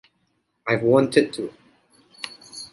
I've wanted to.